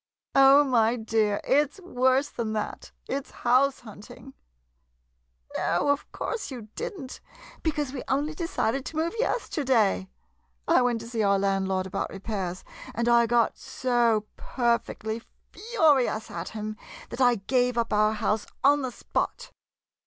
Oh, my dear — it 's worse than that — it 's house hunting ! No, of course you did n't, because we only de cided to move yesterday. I went to see our landlord about repairs, and I got so per fectly furious at him, that I gave up our house on the spot.